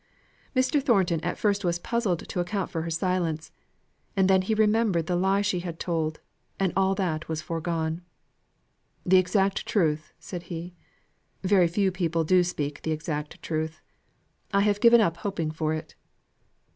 Mr. Thornton at first was puzzled to account for her silence; and then he remembered the lie she had told, and all that was foregone. "The exact truth!" said he. "Very few people do speak the exact truth. I have given up hoping for it.